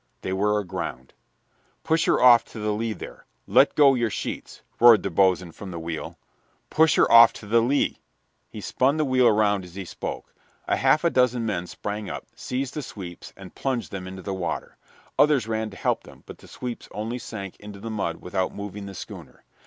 They were aground. "Push her off to the lee there! Let go your sheets!" roared the boatswain from the wheel. "Push her off to the lee." He spun the wheel around as he spoke. A half a dozen men sprang up, seized the sweeps, and plunged them into the water. Others ran to help them, but the sweeps only sank into the mud without moving the schooner.